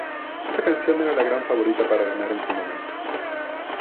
Esta canción era la gran favorita para ganar en su momento.